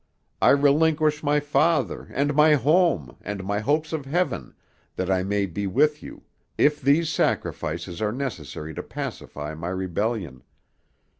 I relinquish my father, and my home, and my hope of heaven, that I may be with you, if these sacrifices are necessary to pacify my rebellion.